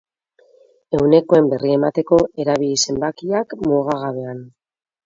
Ehunekoen berri emateko, erabili zenbakiak mugagabean.